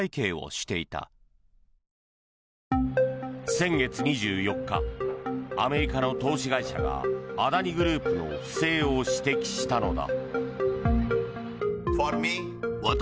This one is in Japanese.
先月２４日アメリカの投資会社がアダニ・グループの不正を指摘したのだ。